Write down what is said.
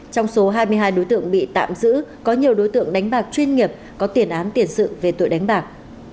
trong số hai mươi hai đối tượng bị tạm giữ có nhiều đối tượng đánh bạc chuyên nghiệp có tiền án tiền sự về tội đánh bạc